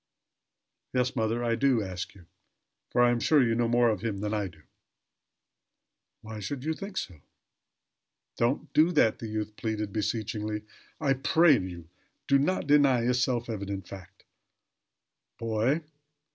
"Yes, mother, I do ask you; for I am sure you know more of him than I do." "Why should you think so?" "Don't do that!" the youth pleaded, beseechingly. "I pray you do not deny a self evident fact." "Boy!"